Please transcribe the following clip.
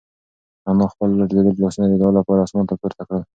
انا خپل لړزېدلي لاسونه د دعا لپاره اسمان ته پورته کړل.